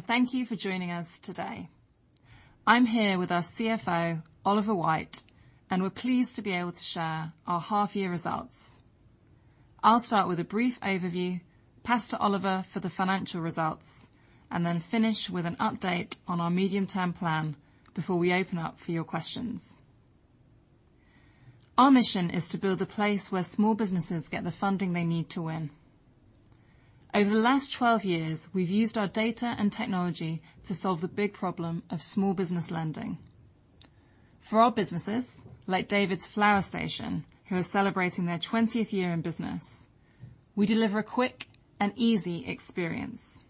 Thank you for joining us today. I'm here with our CFO, Oliver White, and we're pleased to be able to share our half-year results. I'll start with a brief overview, pass to Oliver for the financial results, and then finish with an update on our medium-term plan before we open up for your questions. Our mission is to build a place where small businesses get the funding they need to win. Over the last 12 years, we've used our data and technology to solve the big problem of small business lending. For our businesses, like David's Flower Station, who are celebrating their 20th year in business, we deliver a quick and easy experience.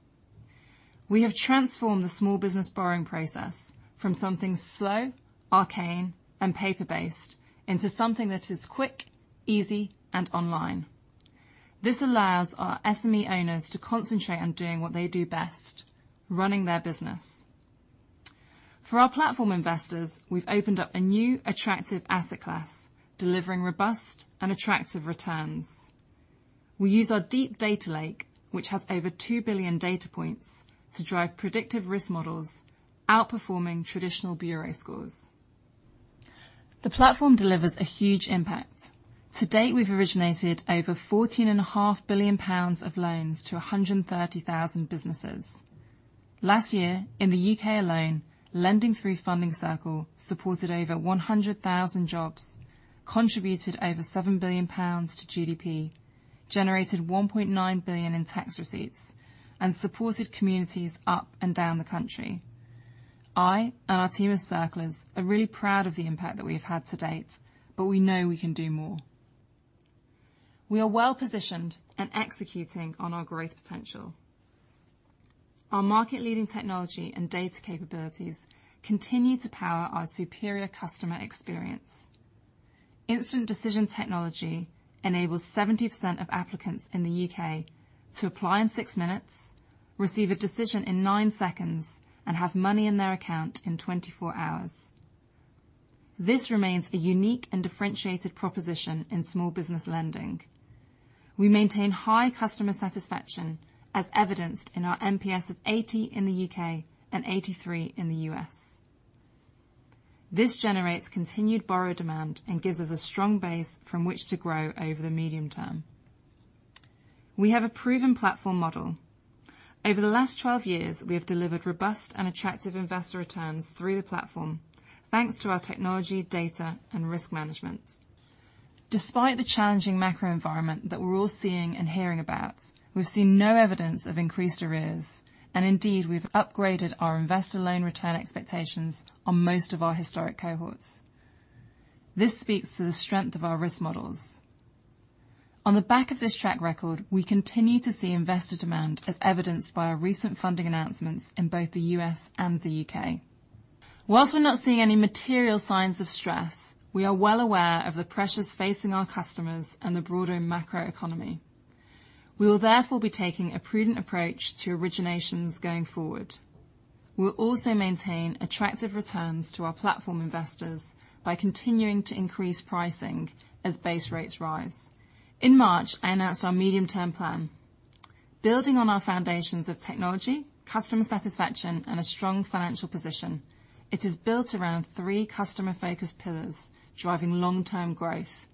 We have transformed the small business borrowing process from something slow, arcane, and paper-based into something that is quick, easy, and online. This allows our SME owners to concentrate on doing what they do best, running their business. For our platform investors, we've opened up a new attractive asset class, delivering robust and attractive returns. We use our deep data lake, which has over 2 billion data points, to drive predictive risk models, outperforming traditional bureau scores. The platform delivers a huge impact. To date, we've originated over 14.5 billion pounds of loans to 130,000 businesses. Last year, in the U.K. alone, lending through Funding Circle supported over 100,000 jobs, contributed over 7 billion pounds to GDP, generated 1.9 billion in tax receipts, and supported communities up and down the country. I, and our team of Circlers, are really proud of the impact that we have had to date, but we know we can do more. We are well-positioned and executing on our growth potential. Our market-leading technology and data capabilities continue to power our superior customer experience. Instant decision technology enables 70% of applicants in the U.K. to apply in six minutes, receive a decision in nine seconds, and have money in their account in 24 hours. This remains a unique and differentiated proposition in small business lending. We maintain high customer satisfaction, as evidenced in our NPS of 80 in the U.K. and 83 in the U.S. This generates continued borrower demand and gives us a strong base from which to grow over the medium term. We have a proven platform model. Over the last 12 years, we have delivered robust and attractive investor returns through the platform, thanks to our technology, data, and risk management. Despite the challenging macro environment that we're all seeing and hearing about, we've seen no evidence of increased arrears, and indeed, we've upgraded our investor loan return expectations on most of our historic cohorts. This speaks to the strength of our risk models. On the back of this track record, we continue to see investor demand as evidenced by our recent funding announcements in both the U.S. and the U.K. While we're not seeing any material signs of stress, we are well aware of the pressures facing our customers and the broader macro economy. We will therefore be taking a prudent approach to originations going forward. We'll also maintain attractive returns to our platform investors by continuing to increase pricing as base rates rise. In March, I announced our medium-term plan. Building on our foundations of technology, customer satisfaction, and a strong financial position, it is built around three customer-focused pillars, driving long-term growth.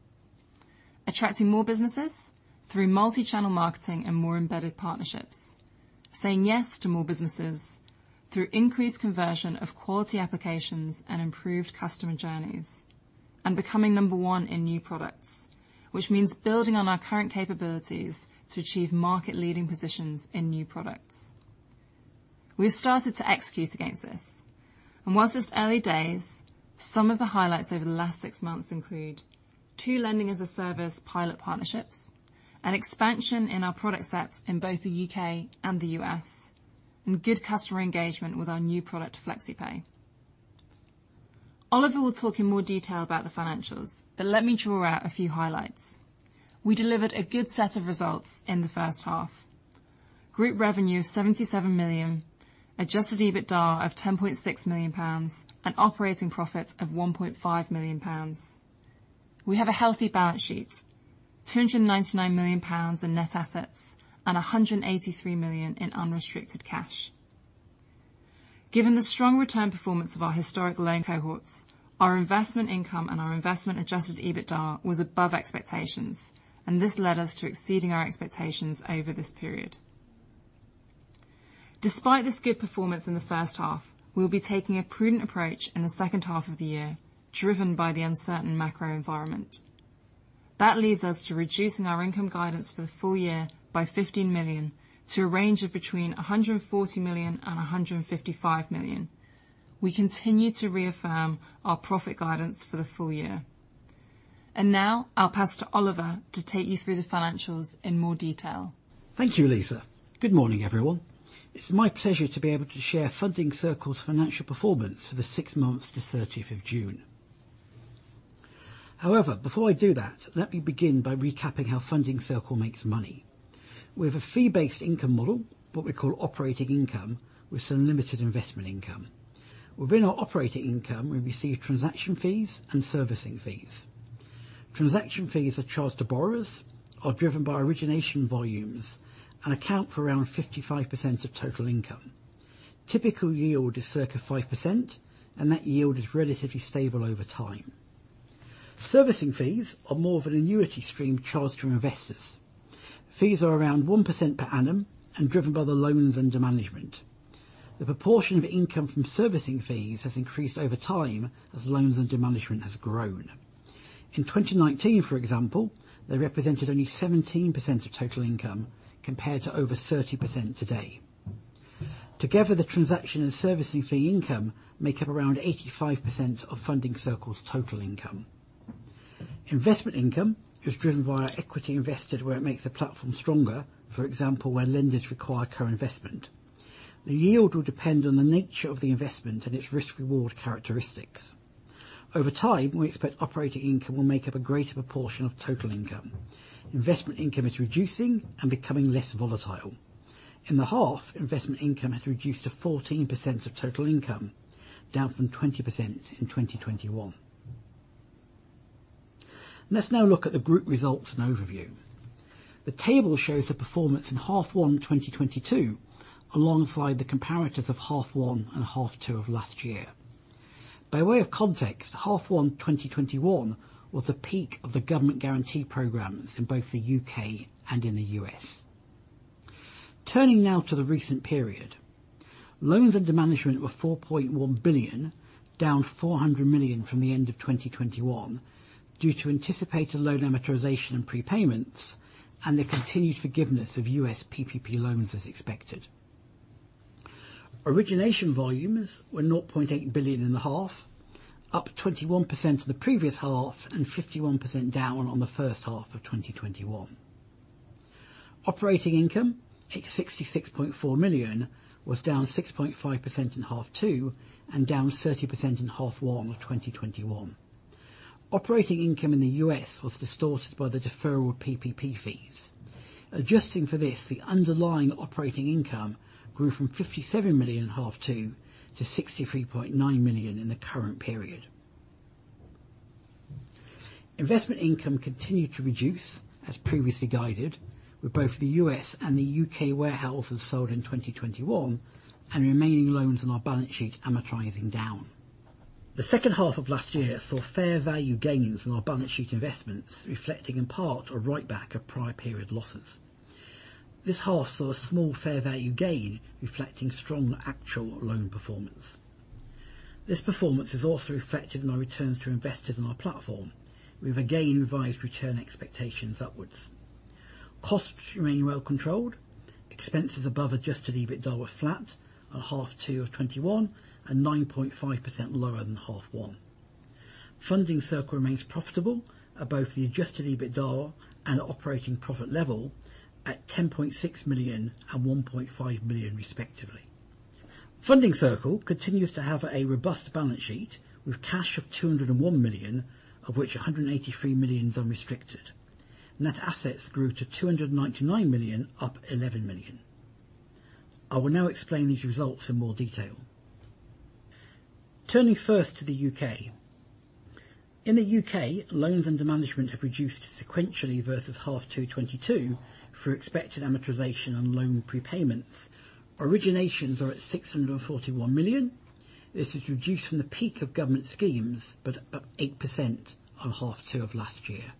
Attracting more businesses through multi-channel marketing and more embedded partnerships. Saying yes to more businesses through increased conversion of quality applications and improved customer journeys. Becoming number one in new products, which means building on our current capabilities to achieve market-leading positions in new products. We have started to execute against this, and whilst it's early days, some of the highlights over the last six months include two Lending-as-a-Service pilot partnerships, an expansion in our product set in both the U.K. and the U.S., and good customer engagement with our new product, FlexiPay. Oliver will talk in more detail about the financials, but let me draw out a few highlights. We delivered a good set of results in the first half. Group revenue of 77 million, adjusted EBITDA of 10.6 million pounds, and operating profit of 1.5 million pounds. We have a healthy balance sheet, 299 million pounds in net assets and 183 million in unrestricted cash. Given the strong return performance of our historical loan cohorts, our investment income and our investment-adjusted EBITDA was above expectations, and this led us to exceeding our expectations over this period. Despite this good performance in the first half, we'll be taking a prudent approach in the second half of the year, driven by the uncertain macro environment. That leads us to reducing our income guidance for the full year by 15 million to a range of between 140 million and 155 million. We continue to reaffirm our profit guidance for the full year. Now I'll pass to Oliver to take you through the financials in more detail. Thank you, Lisa. Good morning, everyone. It's my pleasure to be able to share Funding Circle's financial performance for the six months to thirtieth of June. However, before I do that, let me begin by recapping how Funding Circle makes money. We have a fee-based income model, what we call operating income, with some limited investment income. Within our operating income, we receive transaction fees and servicing fees. Transaction fees are charged to borrowers, are driven by origination volumes, and account for around 55% of total income. Typical yield is circa 5%, and that yield is relatively stable over time. Servicing fees are more of an annuity stream charged from investors. Fees are around 1% per annum and driven by the loans under management. The proportion of income from servicing fees has increased over time as loans under management has grown. In 2019, for example, they represented only 17% of total income compared to over 30% today. Together, the transaction and servicing fee income make up around 85% of Funding Circle's total income. Investment income is driven via equity invested where it makes the platform stronger. For example, where lenders require co-investment. The yield will depend on the nature of the investment and its risk/reward characteristics. Over time, we expect operating income will make up a greater proportion of total income. Investment income is reducing and becoming less volatile. In the half, investment income has reduced to 14% of total income, down from 20% in 2021. Let's now look at the group results and overview. The table shows the performance in half one 2022, alongside the comparatives of half one and half two of last year. By way of context, Half one 2021 was the peak of the government guarantee programs in both the UK and in the US. Turning now to the recent period. Loans under management were 4.1 billion, down 400 million from the end of 2021 due to anticipated loan amortization and prepayments, and the continued forgiveness of US PPP loans as expected. Origination volumes were 0.8 billion in the half, up 21% to the previous half and 51% down on the first half of 2021. Operating income at 66.4 million was down 6.5% in half two and down 30% in half one of 2021. Operating income in the US was distorted by the deferral of PPP fees. Adjusting for this, the underlying operating income grew from 57 million in H2 to 63.9 million in the current period. Investment income continued to reduce as previously guided with both the US and the UK warehouses sold in 2021 and remaining loans on our balance sheet amortizing down. The second half of last year saw fair value gains on our balance sheet investments, reflecting in part a write back of prior period losses. This half saw a small fair value gain reflecting strong actual loan performance. This performance is also reflected in our returns to investors on our platform. We have again revised return expectations upwards. Costs remain well controlled. Expenses above adjusted EBITDA were flat at H2 2021 and 9.5% lower than H1. Funding Circle remains profitable at both the adjusted EBITDA and operating profit level at 10.6 million and 1.5 million respectively. Funding Circle continues to have a robust balance sheet with cash of 201 million, of which 183 million is unrestricted. Net assets grew to 299 million, up 11 million. I will now explain these results in more detail. Turning first to the UK. In the UK, loans under management have reduced sequentially versus half two 2022 through expected amortization and loan prepayments. Originations are at 641 million. This is reduced from the peak of government schemes, but up 8% on half two of last year.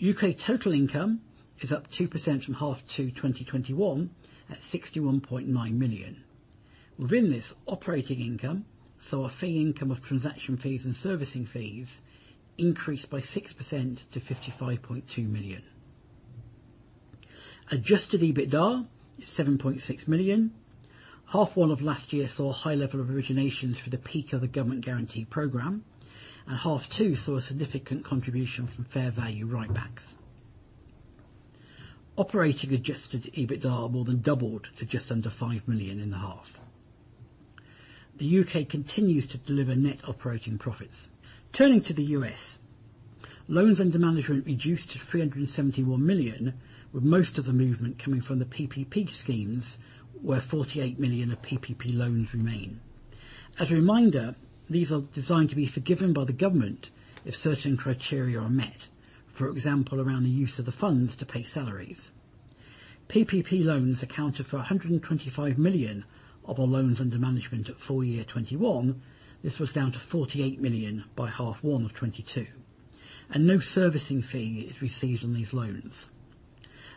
UK total income is up 2% from half two 2021 at 61.9 million. Within this, operating income, so our fee income of transaction fees and servicing fees increased by 6% to 55.2 million. Adjusted EBITDA is 7.6 million. Half one of last year saw a high level of originations for the peak of the government guarantee program, and half two saw a significant contribution from fair value write-backs. Operating adjusted EBITDA more than doubled to just under 5 million in the half. The UK continues to deliver net operating profits. Turning to the US. Loans under management reduced to 371 million, with most of the movement coming from the PPP schemes, where 48 million of PPP loans remain. As a reminder, these are designed to be forgiven by the government if certain criteria are met, for example, around the use of the funds to pay salaries. PPP loans accounted for $125 million of our loans under management at full year 2021. This was down to $48 million by half one of 2022, and no servicing fee is received on these loans.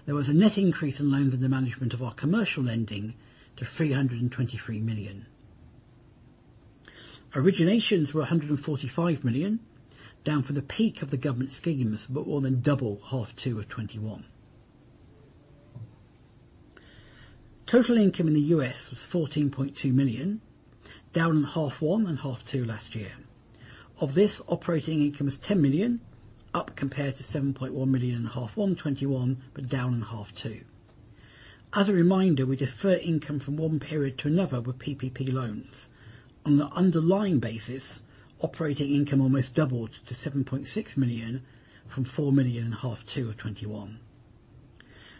There was a net increase in loans under management of our commercial lending to $323 million. Originations were $145 million, down from the peak of the government schemes, but more than double half two of 2021. Total income in the US was $14.2 million, down in half one and half two last year. Of this, operating income was $10 million, up compared to $7.1 million in half one 2021, but down in half two. As a reminder, we defer income from one period to another with PPP loans. On the underlying basis, operating income almost doubled to 7.6 million from 4 million in H2 2021.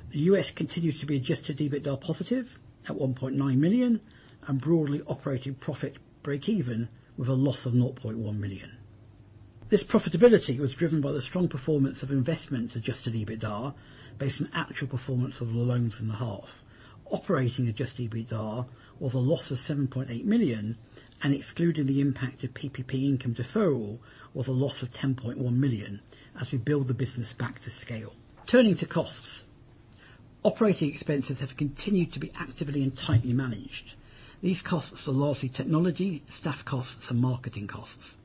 The US continues to be adjusted EBITDA positive at 1.9 million, and broadly operating profit breakeven with a loss of 0.1 million. This profitability was driven by the strong performance of investments adjusted EBITDA based on actual performance of the loans in the half. Operating adjusted EBITDA was a loss of 7.8 million, and excluding the impact of PPP income deferral, was a loss of 10.1 million as we build the business back to scale. Turning to costs. Operating expenses have continued to be actively and tightly managed. These costs are largely technology, staff costs, and marketing costs.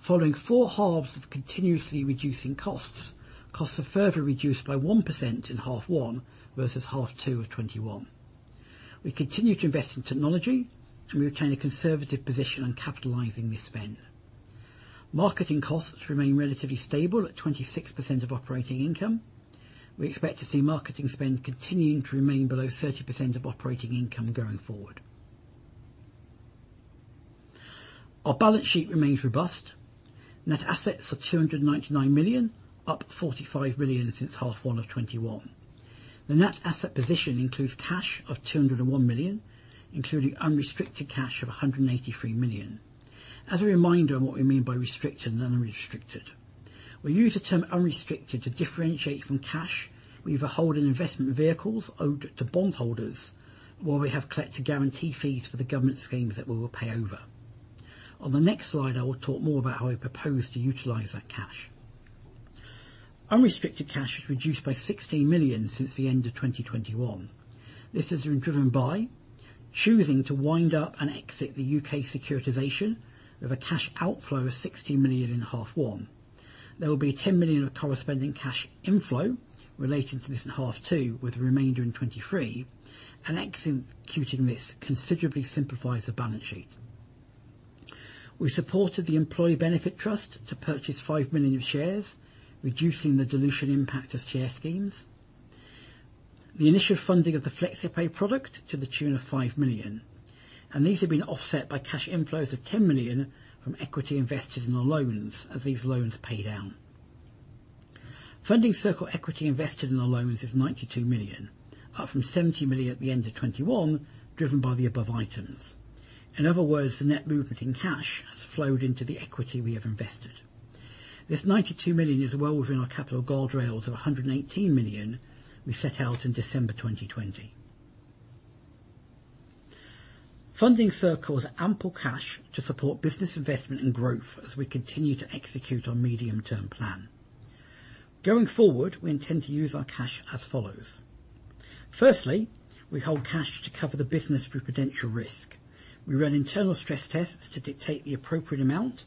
Following four halves of continuously reducing costs are further reduced by 1% in H1 versus H2 2021. We continue to invest in technology, and we retain a conservative position on capitalizing this spend. Marketing costs remain relatively stable at 26% of operating income. We expect to see marketing spend continuing to remain below 30% of operating income going forward. Our balance sheet remains robust. Net assets are 299 million, up 45 million since H1 2021. The net asset position includes cash of 201 million, including unrestricted cash of 183 million. As a reminder on what we mean by restricted and unrestricted. We use the term unrestricted to differentiate from cash we either hold in investment vehicles owed to bondholders, while we have collected guarantee fees for the government schemes that we will pay over. On the next slide, I will talk more about how we propose to utilize that cash. Unrestricted cash is reduced by 60 million since the end of 2021. This has been driven by choosing to wind up and exit the UK securitization with a cash outflow of 60 million in half one. There will be 10 million of corresponding cash inflow related to this in half two, with the remainder in 2023, and executing this considerably simplifies the balance sheet. We supported the employee benefit trust to purchase 5 million of shares, reducing the dilution impact of share schemes. The initial funding of the FlexiPay product to the tune of 5 million. These have been offset by cash inflows of 10 million from equity invested in the loans as these loans pay down. Funding Circle equity invested in the loans is 92 million, up from 70 million at the end of 2021, driven by the above items. In other words, the net movement in cash has flowed into the equity we have invested. This 92 million is well within our capital guardrails of 118 million we set out in December 2020. Funding Circle's ample cash to support business investment and growth as we continue to execute our medium-term plan. Going forward, we intend to use our cash as follows. Firstly, we hold cash to cover the business for potential risk. We run internal stress tests to dictate the appropriate amount,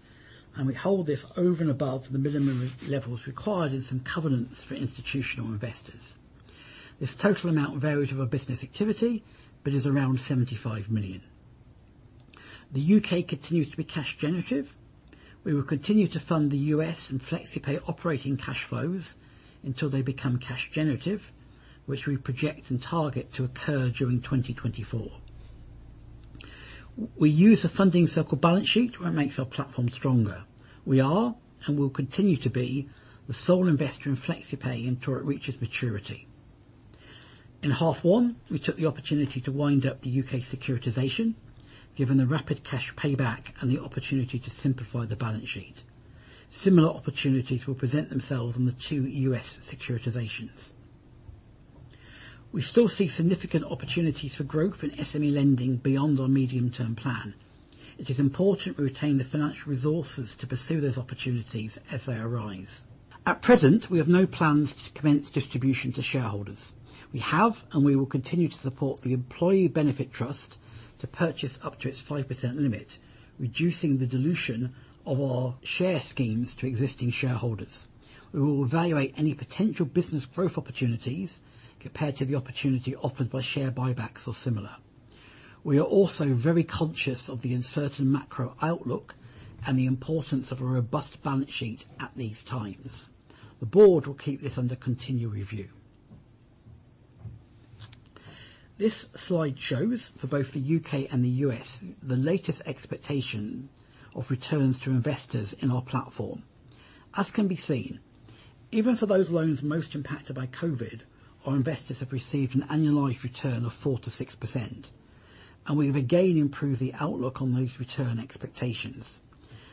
and we hold this over and above the minimum regulatory levels required in some covenants for institutional investors. This total amount varies with our business activity but is around 75 million. The UK continues to be cash generative. We will continue to fund the U.S. and FlexiPay operating cash flows until they become cash generative, which we project and target to occur during 2024. We use the Funding Circle balance sheet where it makes our platform stronger. We are, and will continue to be, the sole investor in FlexiPay until it reaches maturity. In half one, we took the opportunity to wind up the U.K. securitization, given the rapid cash payback and the opportunity to simplify the balance sheet. Similar opportunities will present themselves on the two U.S. securitizations. We still see significant opportunities for growth in SME lending beyond our medium-term plan. It is important we retain the financial resources to pursue those opportunities as they arise. At present, we have no plans to commence distribution to shareholders. We have, and we will continue to support the employee benefit trust to purchase up to its 5% limit, reducing the dilution of our share schemes to existing shareholders. We will evaluate any potential business growth opportunities compared to the opportunity offered by share buybacks or similar. We are also very conscious of the uncertain macro outlook and the importance of a robust balance sheet at these times. The board will keep this under continued review. This slide shows, for both the U.K. and the U.S., the latest expectation of returns to investors in our platform. As can be seen, even for those loans most impacted by COVID, our investors have received an annualized return of 4%-6%, and we have again improved the outlook on those return expectations.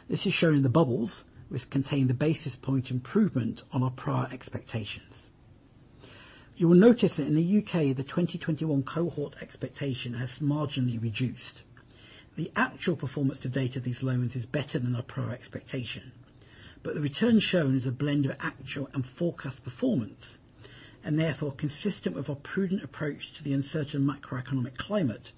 This is shown in the bubbles, which contain the basis point improvement on our prior expectations. You will notice that in the U.K., the 2021 cohort expectation has marginally reduced. The actual performance to date of these loans is better than our prior expectation, but the return shown is a blend of actual and forecast performance, and therefore consistent with our prudent approach to the uncertain macroeconomic climate.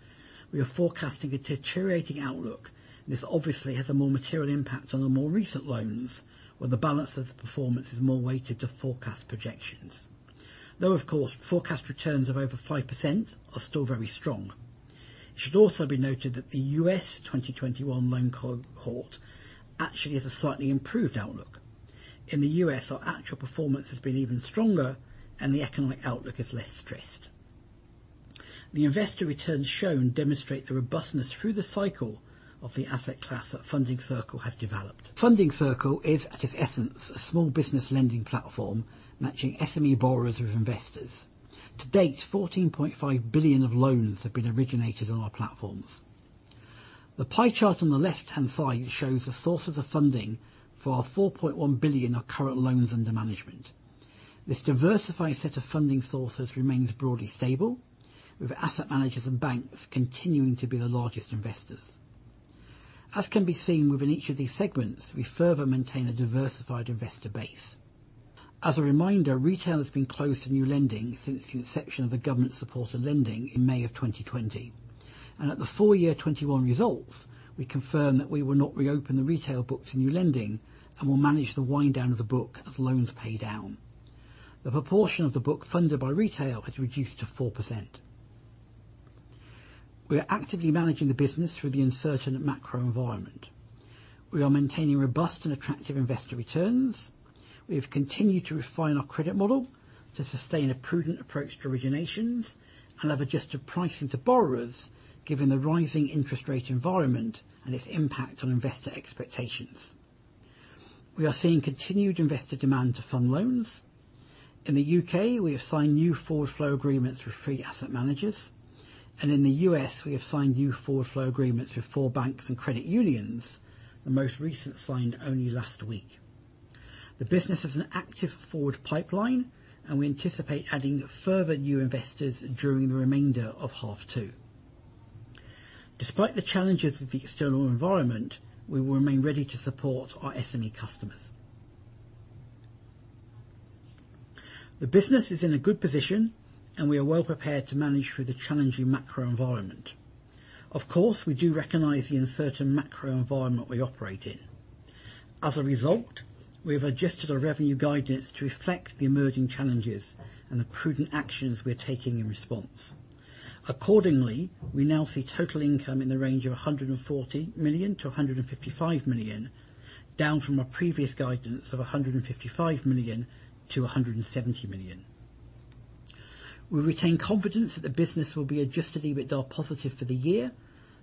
We are forecasting a deteriorating outlook. This obviously has a more material impact on the more recent loans, where the balance of the performance is more weighted to forecast projections. Though of course, forecast returns of over 5% are still very strong. It should also be noted that the U.S. 2021 loan cohort actually has a slightly improved outlook. In the U.S., our actual performance has been even stronger and the economic outlook is less stressed. The investor returns shown demonstrate the robustness through the cycle of the asset class that Funding Circle has developed. Funding Circle is, at its essence, a small business lending platform matching SME borrowers with investors. To date, 14.5 billion of loans have been originated on our platforms. The pie chart on the left-hand side shows the sources of funding for our 4.1 billion of current loans under management. This diversified set of funding sources remains broadly stable, with asset managers and banks continuing to be the largest investors. As can be seen within each of these segments, we further maintain a diversified investor base. As a reminder, retail has been closed to new lending since the inception of the government-supported lending in May of 2020. At the full year 2021 results, we confirmed that we will not reopen the retail book to new lending and will manage the wind down of the book as loans pay down. The proportion of the book funded by retail has reduced to 4%. We are actively managing the business through the uncertain macro environment. We are maintaining robust and attractive investor returns. We have continued to refine our credit model to sustain a prudent approach to originations and have adjusted pricing to borrowers given the rising interest rate environment and its impact on investor expectations. We are seeing continued investor demand to fund loans. In the U.K., we have signed new forward flow agreements with three asset managers, and in the U.S., we have signed new forward flow agreements with four banks and credit unions. The most recent signed only last week. The business has an active forward pipeline, and we anticipate adding further new investors during the remainder of half two. Despite the challenges of the external environment, we will remain ready to support our SME customers. The business is in a good position, and we are well prepared to manage through the challenging macro environment. Of course, we do recognize the uncertain macro environment we operate in. As a result, we have adjusted our revenue guidance to reflect the emerging challenges and the prudent actions we're taking in response. Accordingly, we now see total income in the range of 140 million-155 million, down from our previous guidance of 155 million-170 million. We retain confidence that the business will be adjusted EBITDA positive for the year,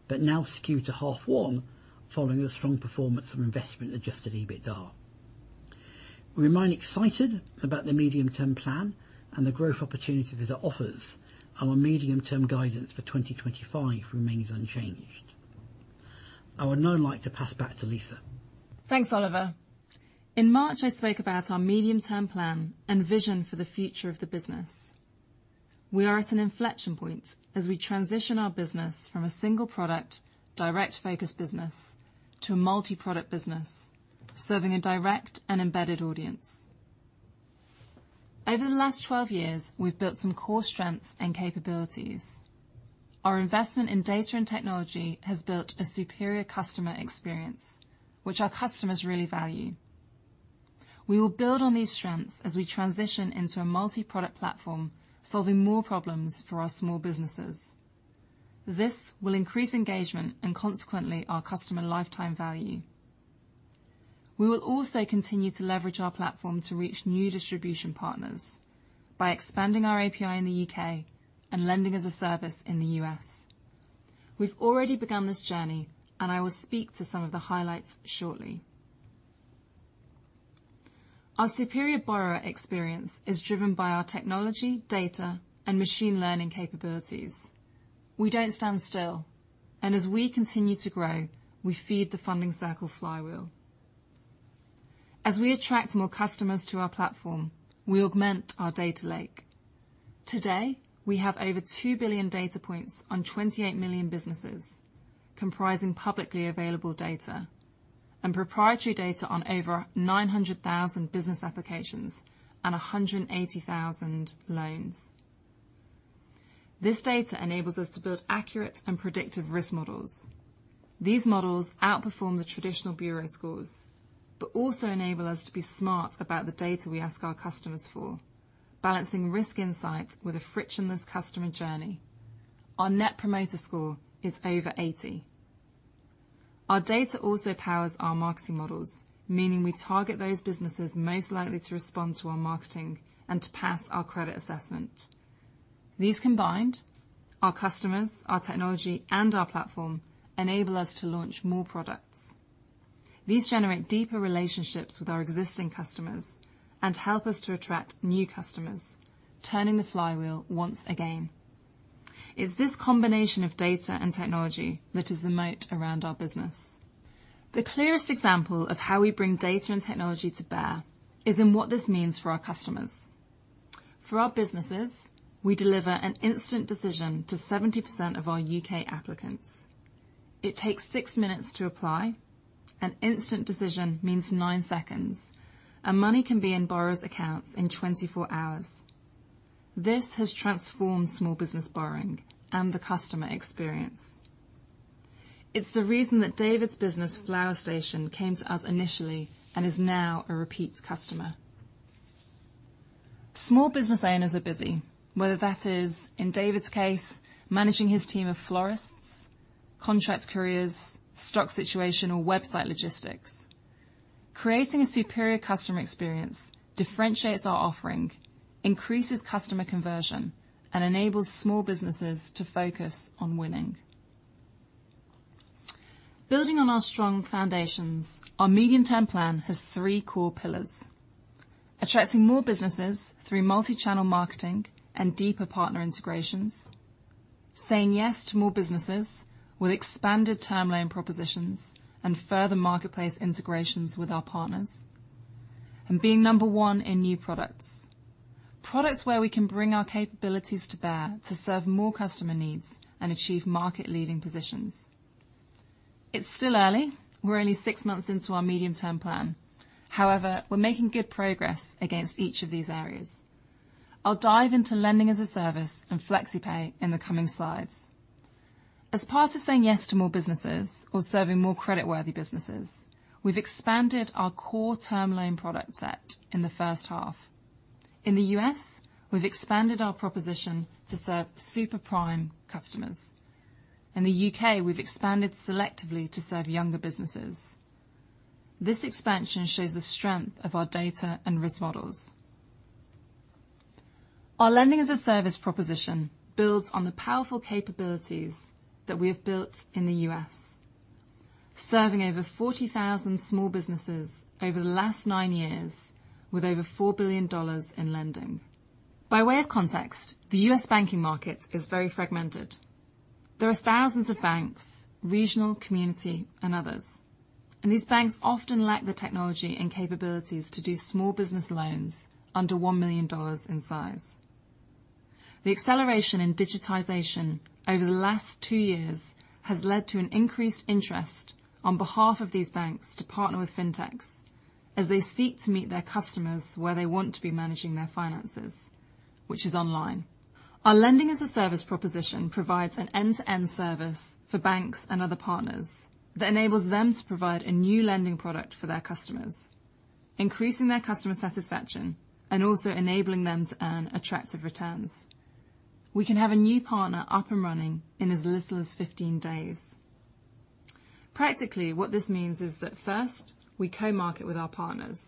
but now skewed to half one following the strong performance of investment adjusted EBITDA. We remain excited about the medium-term plan and the growth opportunities it offers. Our medium-term guidance for 2025 remains unchanged. I would now like to pass back to Lisa. Thanks, Oliver. In March, I spoke about our medium-term plan and vision for the future of the business. We are at an inflection point as we transition our business from a single product, direct focus business to a multi-product business, serving a direct and embedded audience. Over the last 12 years, we've built some core strengths and capabilities. Our investment in data and technology has built a superior customer experience, which our customers really value. We will build on these strengths as we transition into a multi-product platform, solving more problems for our small businesses. This will increase engagement and consequently our customer lifetime value. We will also continue to leverage our platform to reach new distribution partners by expanding our API in the U.K. and lending as a service in the U.S. We've already begun this journey, and I will speak to some of the highlights shortly. Our superior borrower experience is driven by our technology, data, and machine learning capabilities. We don't stand still, and as we continue to grow, we feed the Funding Circle flywheel. As we attract more customers to our platform, we augment our data lake. Today, we have over 2 billion data points on 28 million businesses, comprising publicly available data and proprietary data on over 900,000 business applications and 180,000 loans. This data enables us to build accurate and predictive risk models. These models outperform the traditional bureau scores but also enable us to be smart about the data we ask our customers for, balancing risk insights with a frictionless customer journey. Our net promoter score is over 80. Our data also powers our marketing models, meaning we target those businesses most likely to respond to our marketing and to pass our credit assessment. These combined, our customers, our technology, and our platform enable us to launch more products. These generate deeper relationships with our existing customers and help us to attract new customers, turning the flywheel once again. It's this combination of data and technology that is the moat around our business. The clearest example of how we bring data and technology to bear is in what this means for our customers. For our businesses, we deliver an instant decision to 70% of our U.K. applicants. It takes six minutes to apply. An instant decision means nine seconds. Money can be in borrower's accounts in 24 hours. This has transformed small business borrowing and the customer experience. It's the reason that David's business, Flower Station, came to us initially and is now a repeat customer. Small business owners are busy, whether that is, in David's case, managing his team of florists, contract couriers, stock situation, or website logistics. Creating a superior customer experience differentiates our offering, increases customer conversion, and enables small businesses to focus on winning. Building on our strong foundations, our medium-term plan has three core pillars. Attracting more businesses through multi-channel marketing and deeper partner integrations. Saying yes to more businesses with expanded term loan propositions and further marketplace integrations with our partners. Being number one in new products where we can bring our capabilities to bear to serve more customer needs and achieve market-leading positions. It's still early. We're only six months into our medium-term plan. However, we're making good progress against each of these areas. I'll dive into Lending-as-a-Service and FlexiPay in the coming slides. As part of saying yes to more businesses or serving more credit-worthy businesses, we've expanded our core term loan product set in the first half. In the U.S., we've expanded our proposition to serve super prime customers. In the U.K., we've expanded selectively to serve younger businesses. This expansion shows the strength of our data and risk models. Our Lending-as-a-Service proposition builds on the powerful capabilities that we have built in the U.S., serving over 40,000 small businesses over the last nined years with over $4 billion in lending. By way of context, the U.S. banking market is very fragmented. There are thousands of banks, regional, community, and others, and these banks often lack the technology and capabilities to do small business loans under $1 million in size. The acceleration in digitization over the last two years has led to an increased interest on behalf of these banks to partner with fintechs as they seek to meet their customers where they want to be managing their finances, which is online. Our Lending-as-a-Service proposition provides an end-to-end service for banks and other partners that enables them to provide a new lending product for their customers, increasing their customer satisfaction and also enabling them to earn attractive returns. We can have a new partner up and running in as little as 15 days. Practically, what this means is that first we co-market with our partners.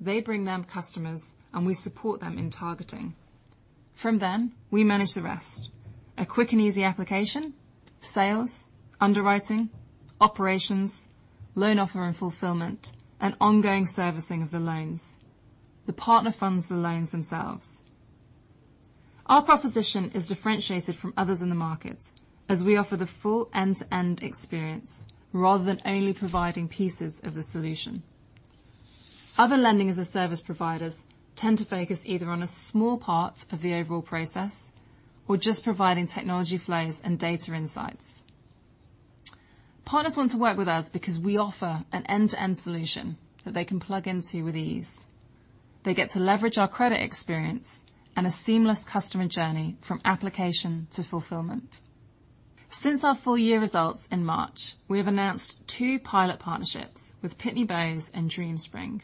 They bring them customers, and we support them in targeting. From then, we manage the rest. A quick and easy application, sales, underwriting, operations, loan offer and fulfillment, and ongoing servicing of the loans. The partner funds the loans themselves. Our proposition is differentiated from others in the markets as we offer the full end-to-end experience rather than only providing pieces of the solution. Other Lending-as-a-Service providers tend to focus either on a small part of the overall process or just providing technology flows and data insights. Partners want to work with us because we offer an end-to-end solution that they can plug into with ease. They get to leverage our credit experience and a seamless customer journey from application to fulfillment. Since our full year results in March, we have announced two pilot partnerships with Pitney Bowes and DreamSpring.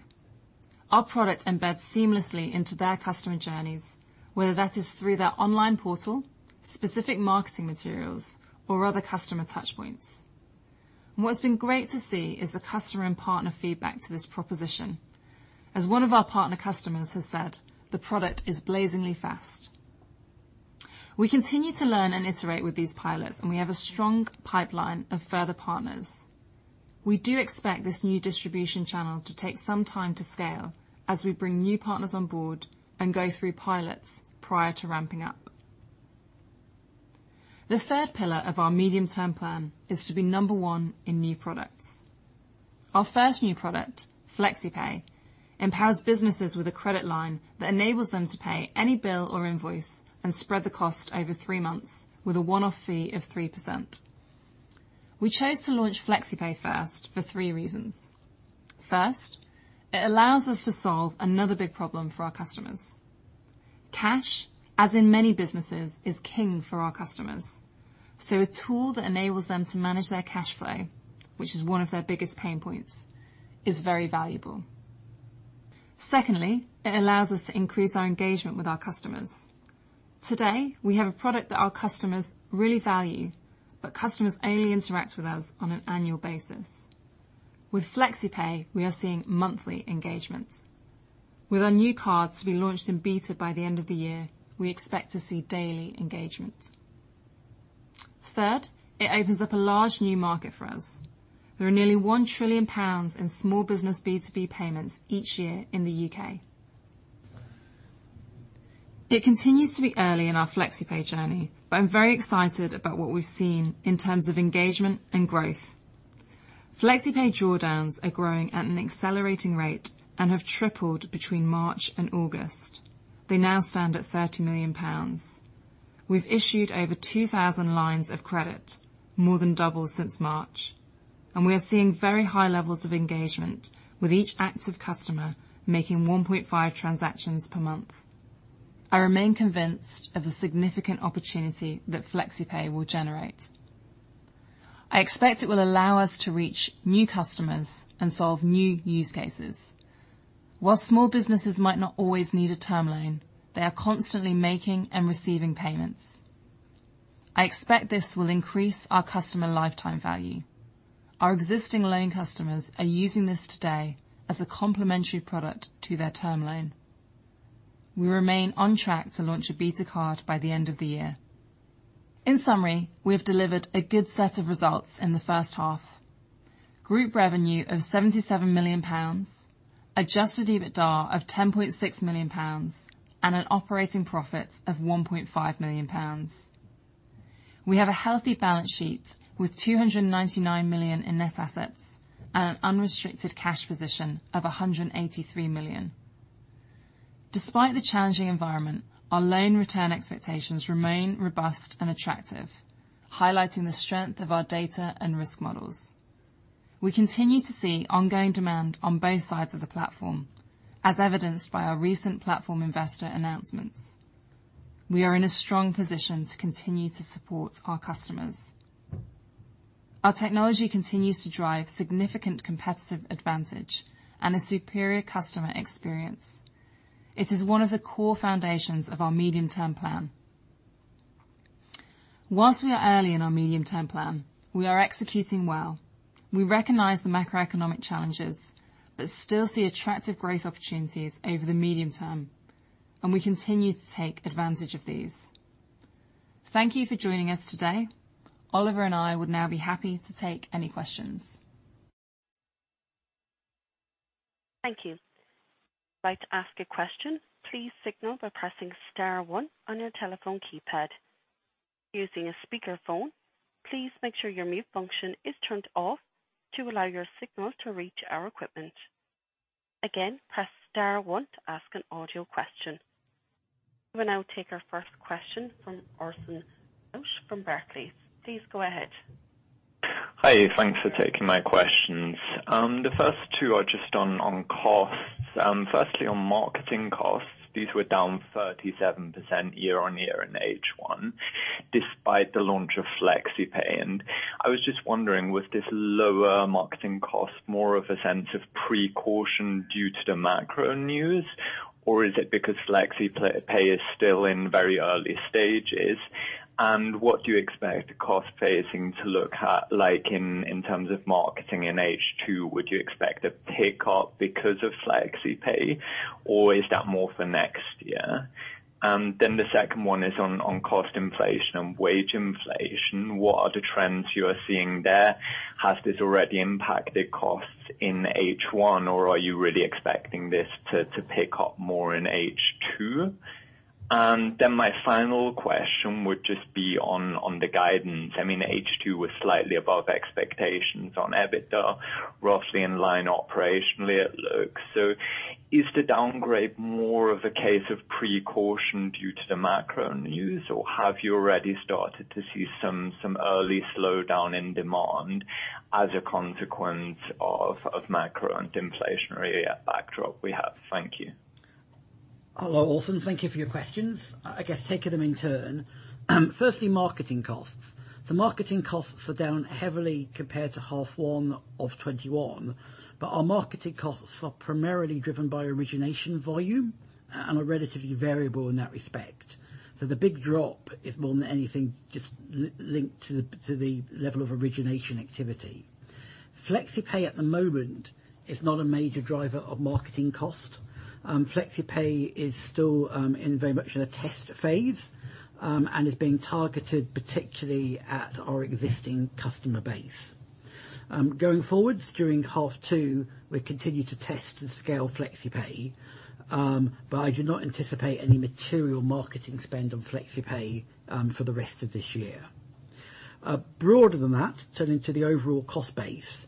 Our product embeds seamlessly into their customer journeys, whether that is through their online portal, specific marketing materials, or other customer touchpoints. What's been great to see is the customer and partner feedback to this proposition. As one of our partner customers has said, "The product is blazingly fast." We continue to learn and iterate with these pilots, and we have a strong pipeline of further partners. We do expect this new distribution channel to take some time to scale as we bring new partners on board and go through pilots prior to ramping up. The third pillar of our medium-term plan is to be number one in new products. Our first new product, FlexiPay, empowers businesses with a credit line that enables them to pay any bill or invoice and spread the cost over three months with a one-off fee of 3%. We chose to launch FlexiPay first for three reasons. First, it allows us to solve another big problem for our customers. Cash, as in many businesses, is king for our customers, so a tool that enables them to manage their cash flow, which is one of their biggest pain points, is very valuable. Secondly, it allows us to increase our engagement with our customers. Today, we have a product that our customers really value, but customers only interact with us on an annual basis. With FlexiPay, we are seeing monthly engagements. With our new card to be launched in beta by the end of the year, we expect to see daily engagements. Third, it opens up a large new market for us. There are nearly GBP 1 trillion in small business B2B payments each year in the UK. It continues to be early in our FlexiPay journey, but I'm very excited about what we've seen in terms of engagement and growth. FlexiPay drawdowns are growing at an accelerating rate and have tripled between March and August. They now stand at 30 million pounds. We've issued over 2,000 lines of credit, more than double since March, and we are seeing very high levels of engagement with each active customer making 1.5 transactions per month. I remain convinced of the significant opportunity that FlexiPay will generate. I expect it will allow us to reach new customers and solve new use cases. While small businesses might not always need a term loan, they are constantly making and receiving payments. I expect this will increase our customer lifetime value. Our existing loan customers are using this today as a complementary product to their term loan. We remain on track to launch a beta card by the end of the year. In summary, we have delivered a good set of results in the first half. Group revenue of GBP 77 million, adjusted EBITDA of GBP 10.6 million, and an operating profit of GBP 1.5 million. We have a healthy balance sheet with 299 million in net assets and an unrestricted cash position of 183 million. Despite the challenging environment, our loan return expectations remain robust and attractive, highlighting the strength of our data and risk models. We continue to see ongoing demand on both sides of the platform, as evidenced by our recent platform investor announcements. We are in a strong position to continue to support our customers. Our technology continues to drive significant competitive advantage and a superior customer experience. It is one of the core foundations of our medium-term plan. Whilst we are early in our medium-term plan, we are executing well. We recognize the macroeconomic challenges but still see attractive growth opportunities over the medium term, and we continue to take advantage of these. Thank you for joining us today. Oliver and I would now be happy to take any questions. Thank you. If you would like to ask a question, please signal by pressing star one on your telephone keypad. If using a speakerphone, please make sure your mute function is turned off to allow your signal to reach our equipment. Again, press star one to ask an audio question. We will now take our first question from Orson Rout from Barclays. Please go ahead. Hi, thanks for taking my questions. The first two are just on costs. Firstly on marketing costs. These were down 37% year-over-year in H1 despite the launch of FlexiPay. I was just wondering, was this lower marketing cost more of a sign of precaution due to the macro news, or is it because FlexiPay is still in very early stages? What do you expect cost phasing to look like in terms of marketing in H2? Would you expect a pickup because of FlexiPay, or is that more for next year? The second one is on cost inflation, wage inflation. What are the trends you are seeing there? Has this already impacted costs in H1, or are you really expecting this to pick up more in H2? My final question would just be on the guidance. I mean, H2 was slightly above expectations on EBITDA, roughly in line operationally it looks. Is the downgrade more of a case of precaution due to the macro news, or have you already started to see some early slowdown in demand as a consequence of macro and inflationary backdrop we have? Thank you. Hello, Orson. Thank you for your questions. I guess taking them in turn. Firstly, marketing costs. The marketing costs are down heavily compared to half one of 2021, but our marketing costs are primarily driven by origination volume and are relatively variable in that respect. The big drop is more than anything just linked to the level of origination activity. FlexiPay at the moment is not a major driver of marketing cost. FlexiPay is still in very much in a test phase and is being targeted particularly at our existing customer base. Going forwards during half two, we'll continue to test and scale FlexiPay, but I do not anticipate any material marketing spend on FlexiPay for the rest of this year. Broader than that, turning to the overall cost base.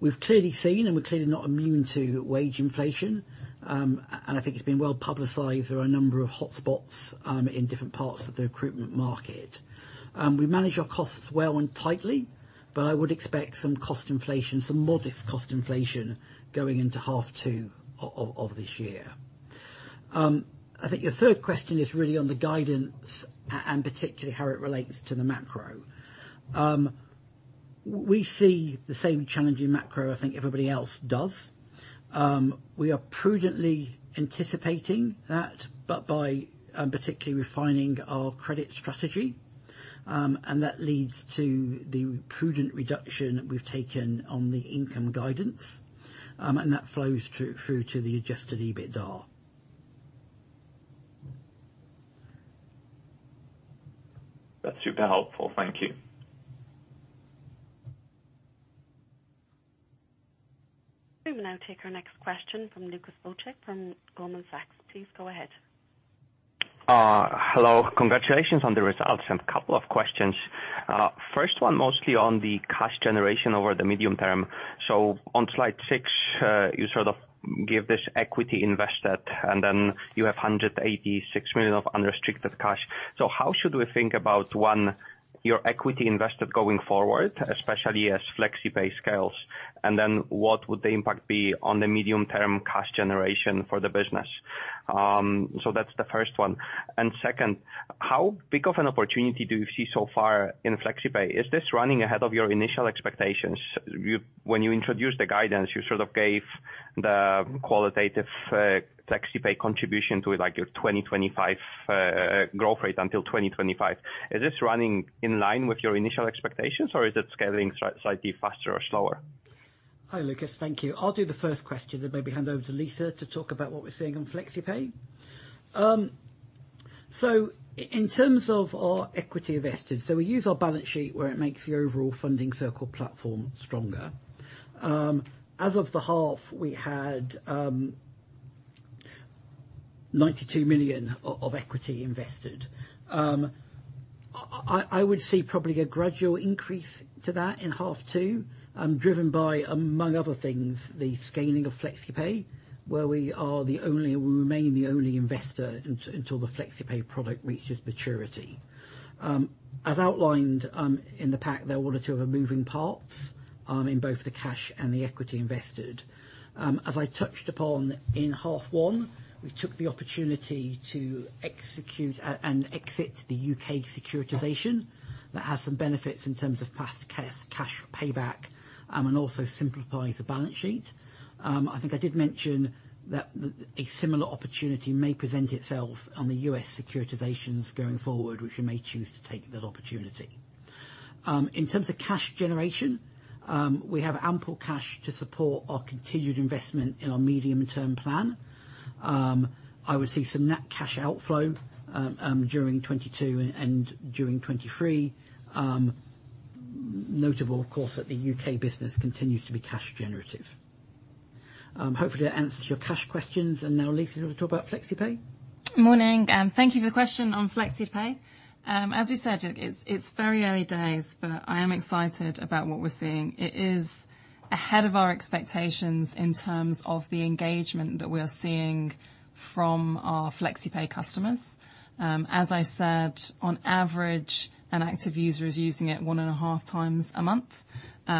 We've clearly seen, and we're clearly not immune to wage inflation, and I think it's been well publicized. There are a number of hotspots in different parts of the recruitment market. We manage our costs well and tightly, but I would expect some cost inflation, some modest cost inflation going into half two of this year. I think your third question is really on the guidance and particularly how it relates to the macro. We see the same challenge in macro I think everybody else does. We are prudently anticipating that, but by particularly refining our credit strategy. That leads to the prudent reduction we've taken on the income guidance, and that flows through to the adjusted EBITDA. That's super helpful. Thank you. We will now take our next question from Lucas Volchik from Goldman Sachs. Please go ahead. Hello. Congratulations on the results. A couple of questions. First one, mostly on the cash generation over the medium-term. On slide 6, you sort of give this equity invested, and then you have 186 million of unrestricted cash. How should we think about, one, your equity invested going forward, especially as FlexiPay scales? Then what would the impact be on the medium-term cash generation for the business? That's the first one. Second, how big of an opportunity do you see so far in FlexiPay? Is this running ahead of your initial expectations? When you introduced the guidance you sort of gave the qualitative, FlexiPay contribution to like your 2025, growth rate until 2025. Is this running in line with your initial expectations or is it scaling slightly faster or slower? Hi, Lucas. Thank you. I'll do the first question, then maybe hand over to Lisa to talk about what we're seeing on FlexiPay. In terms of our equity invested, we use our balance sheet where it makes the overall Funding Circle platform stronger. As of the half, we had 92 million of equity invested. I would see probably a gradual increase to that in half two, driven by, among other things, the scaling of FlexiPay, where we remain the only investor until the FlexiPay product reaches maturity. As outlined in the pack, there were two moving parts in both the cash and the equity invested. As I touched upon in half one, we took the opportunity to execute and exit the U.K. securitization that has some benefits in terms of fast cash payback, and also simplifies the balance sheet. I think I did mention that a similar opportunity may present itself on the U.S. securitizations going forward, which we may choose to take that opportunity. In terms of cash generation, we have ample cash to support our continued investment in our medium-term plan. I would see some net cash outflow during 2022 and during 2023. Notably, of course, that the U.K. business continues to be cash generative. Hopefully that answers your cash questions. Now, Lisa, you want to talk about FlexiPay? Morning, and thank you for the question on FlexiPay. As we said, it's very early days, but I am excited about what we're seeing. It is ahead of our expectations in terms of the engagement that we are seeing from our FlexiPay customers. As I said, on average, an active user is using it one and a half times a month,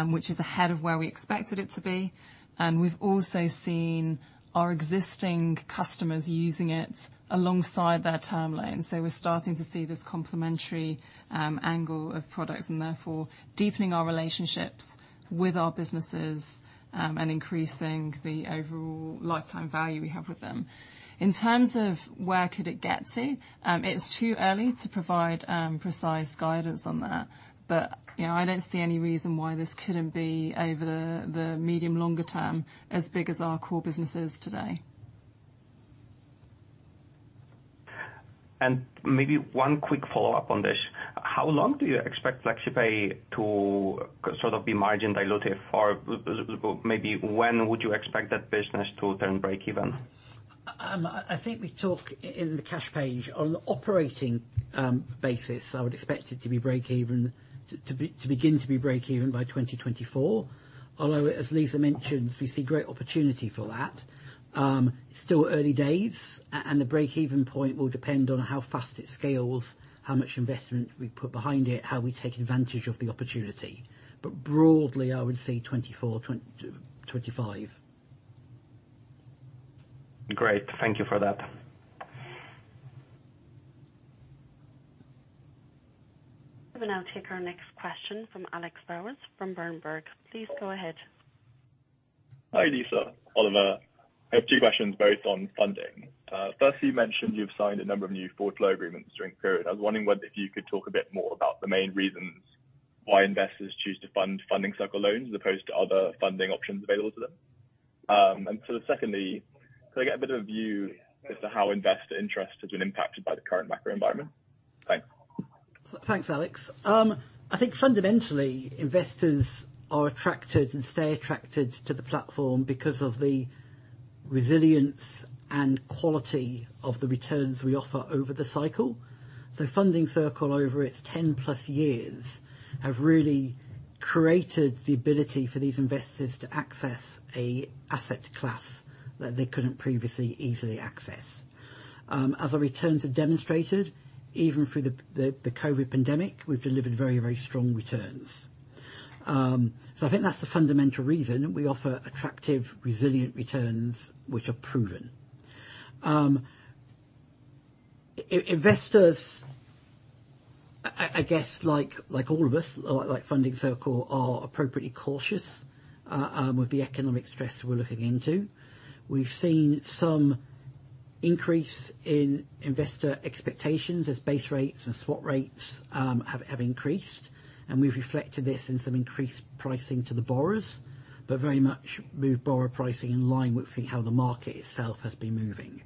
which is ahead of where we expected it to be. We've also seen our existing customers using it alongside their term loans. We're starting to see this complementary angle of products, and therefore deepening our relationships with our businesses, and increasing the overall lifetime value we have with them. In terms of where could it get to, it's too early to provide precise guidance on that. You know, I don't see any reason why this couldn't be over the medium longer term, as big as our core business is today. Maybe one quick follow-up on this. How long do you expect FlexiPay to sort of be margin dilutive? Or maybe when would you expect that business to turn breakeven? I think we talk in the cash page on operating basis. I would expect it to begin to be breakeven by 2024. Although, as Lisa mentioned, we see great opportunity for that. It's still early days, and the breakeven point will depend on how fast it scales, how much investment we put behind it, how we take advantage of the opportunity. Broadly, I would say 2024, 2025. Great. Thank you for that. We will now take our next question from Alex Bowers from Berenberg. Please go ahead. Hi, Lisa, Oliver. I have two questions, both on funding. First, you mentioned you've signed a number of new forward flow agreements during the period. I was wondering whether you could talk a bit more about the main reasons why investors choose to fund Funding Circle loans as opposed to other funding options available to them. Sort of secondly, can I get a bit of a view as to how investor interest has been impacted by the current macro environment? Thanks. Thanks, Alex. I think fundamentally, investors are attracted and stay attracted to the platform because of the resilience and quality of the returns we offer over the cycle. Funding Circle, over its 10-plus years, have really created the ability for these investors to access an asset class that they couldn't previously easily access. As our returns have demonstrated, even through the COVID pandemic, we've delivered very, very strong returns. I think that's the fundamental reason. We offer attractive, resilient returns which are proven. Investors, I guess like all of us, like Funding Circle, are appropriately cautious with the economic stress we're looking into. We've seen some increase in investor expectations as base rates and swap rates have increased, and we've reflected this in some increased pricing to the borrowers, but very much moved borrower pricing in line with how the market itself has been moving.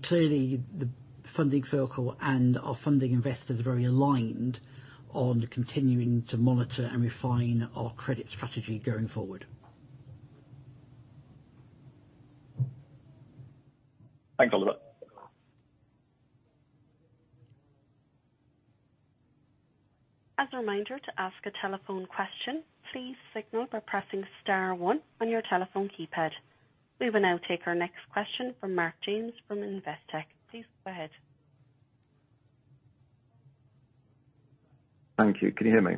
Clearly, the Funding Circle and our funding investors are very aligned on continuing to monitor and refine our credit strategy going forward. Thanks, Oliver. As a reminder to ask a telephone question, please signal by pressing star one on your telephone keypad. We will now take our next question from Mark James from Investec. Please go ahead. Thank you. Can you hear me?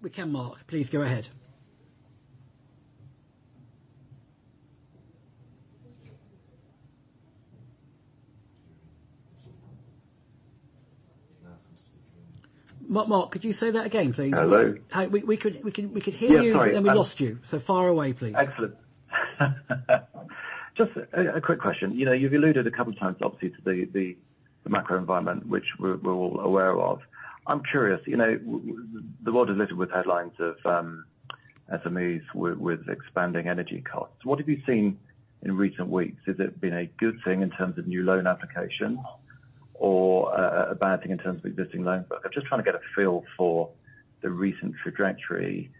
We can, Mark. Please go ahead. Mark, could you say that again, please? Hello. Hi. We could hear you. Yes, sorry. We lost you. Far away, please. Excellent. Just a quick question. You know, you've alluded a couple times obviously to the macroenvironment which we're all aware of. I'm curious, you know, the world is littered with headlines of SMEs with expanding energy costs. What have you seen in recent weeks? Has it been a good thing in terms of new loan applications or a bad thing in terms of existing loan book? I'm just trying to get a feel for the recent trajectory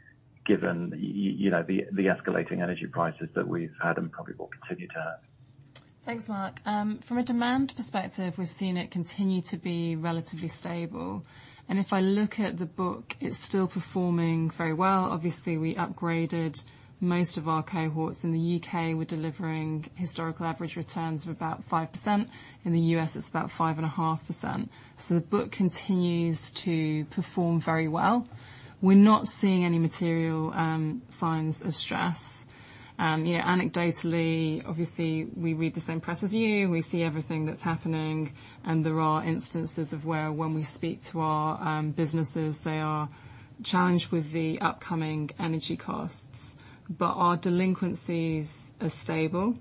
given you know, the escalating energy prices that we've had and probably will continue to have. Thanks, Mark. From a demand perspective, we've seen it continue to be relatively stable. If I look at the book, it's still performing very well. Obviously, we upgraded most of our cohorts. In the U.K., we're delivering historical average returns of about 5%. In the U.S., it's about 5.5%. The book continues to perform very well. We're not seeing any material signs of stress. You know, anecdotally, obviously, we read the same press as you. We see everything that's happening, and there are instances of where when we speak to our businesses, they are challenged with the upcoming energy costs. Our delinquencies are stable.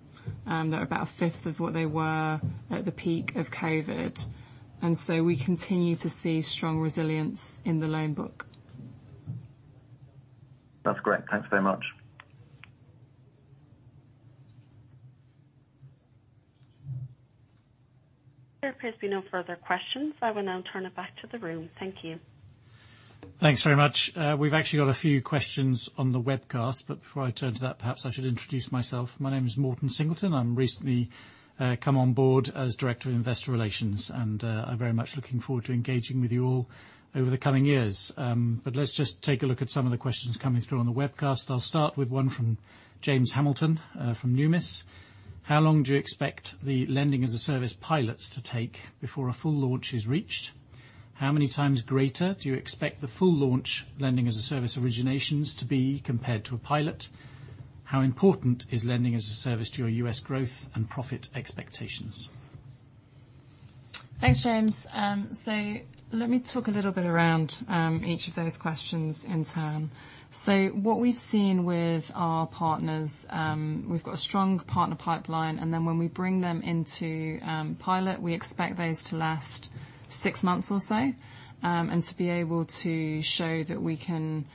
They're about a fifth of what they were at the peak of COVID. We continue to see strong resilience in the loan book. That's great. Thanks very much. There appears to be no further questions. I will now turn it back to the room. Thank you. Thanks very much. We've actually got a few questions on the webcast, but before I turn to that, perhaps I should introduce myself. My name is Morten Singleton. I'm recently come on board as Director of Investor Relations, and I'm very much looking forward to engaging with you all over the coming years. Let's just take a look at some of the questions coming through on the webcast. I'll start with one from James Hamilton from Numis. How long do you expect the Lending-as-a-Service pilots to take before a full launch is reached? How many times greater do you expect the full launch Lending-as-a-Service originations to be compared to a pilot? How important is Lending-as-a-Service to your US growth and profit expectations? Thanks, James. Let me talk a little bit around each of those questions in turn. What we've seen with our partners, we've got a strong partner pipeline, and then when we bring them into pilot, we expect those to last six months or so, and to be able to show that we can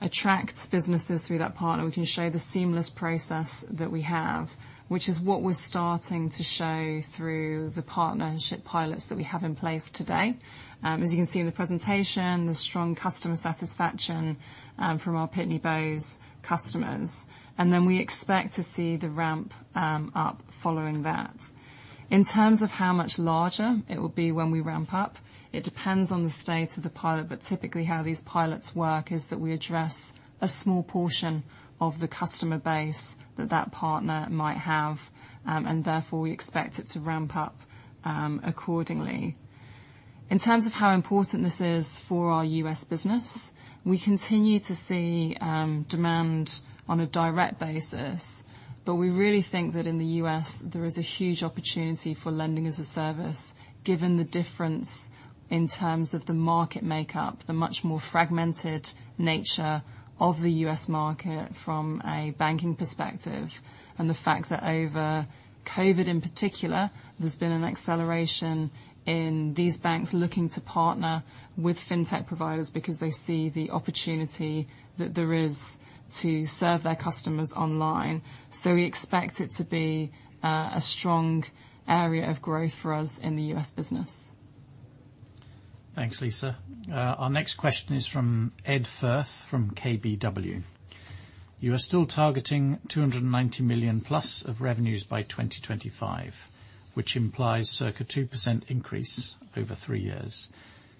attract businesses through that partner. We can show the seamless process that we have, which is what we're starting to show through the partnership pilots that we have in place today. As you can see in the presentation, the strong customer satisfaction from our Pitney Bowes customers. Then we expect to see the ramp up following that. In terms of how much larger it will be when we ramp up, it depends on the state of the pilot, but typically how these pilots work is that we address a small portion of the customer base that partner might have, and therefore, we expect it to ramp up, accordingly. In terms of how important this is for our U.S. business, we continue to see demand on a direct basis, but we really think that in the U.S., there is a huge opportunity for Lending-as-a-Service, given the difference in terms of the market makeup, the much more fragmented nature of the U.S. market from a banking perspective, and the fact that over COVID in particular, there's been an acceleration in these banks looking to partner with fintech providers because they see the opportunity that there is to serve their customers online. We expect it to be a strong area of growth for us in the U.S. business. Thanks, Lisa. Our next question is from Ed Firth from KBW. You are still targeting 290 million-plus of revenues by 2025, which implies circa 2% increase over three years.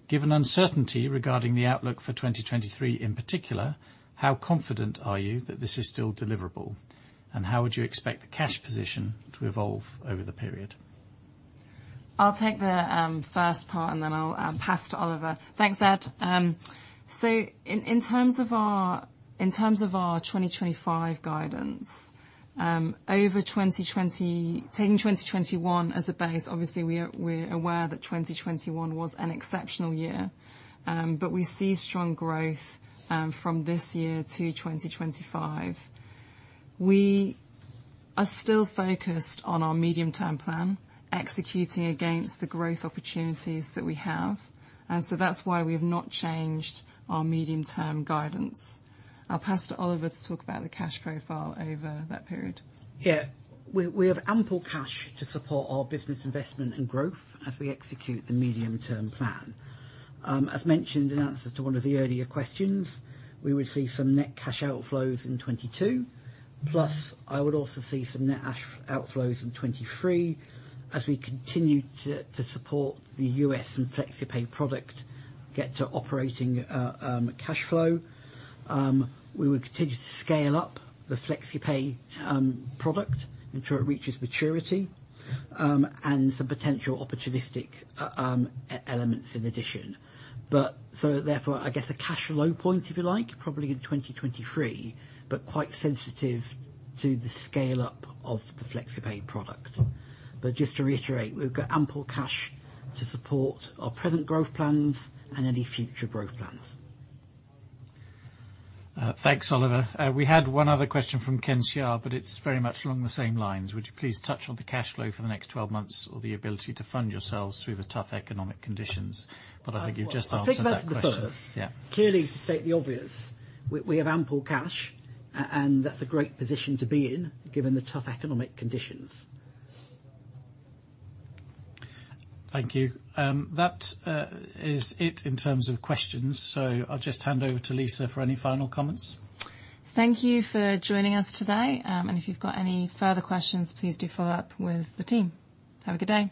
Given uncertainty regarding the outlook for 2023 in particular, how confident are you that this is still deliverable? And how would you expect the cash position to evolve over the period? I'll take the first part, and then I'll pass to Oliver. Thanks, Ed. So in terms of our 2025 guidance, taking 2021 as a base, obviously we're aware that 2021 was an exceptional year, but we see strong growth from this year to 2025. We are still focused on our medium-term plan, executing against the growth opportunities that we have. So that's why we've not changed our medium-term guidance. I'll pass to Oliver to talk about the cash profile over that period. Yeah. We have ample cash to support our business investment and growth as we execute the medium-term plan. As mentioned in answer to one of the earlier questions, we will see some net cash outflows in 2022. Plus, I would also see some net cash outflows in 2023 as we continue to support the US and FlexiPay product get to operating cash flow. We will continue to scale up the FlexiPay product, ensure it reaches maturity, and some potential opportunistic elements in addition. Therefore, I guess a cash low point, if you like, probably in 2023, but quite sensitive to the scale up of the FlexiPay product. Just to reiterate, we've got ample cash to support our present growth plans and any future growth plans. Thanks, Oliver. We had one other question from Ken Hsia, but it's very much along the same lines. Would you please touch on the cash flow for the next 12 months or the ability to fund yourselves through the tough economic conditions? I think you've just answered that question. I'll take the first. Yeah. Clearly to state the obvious, we have ample cash and that's a great position to be in given the tough economic conditions. Thank you. That is it in terms of questions, so I'll just hand over to Lisa for any final comments. Thank you for joining us today. If you've got any further questions, please do follow up with the team. Have a good day.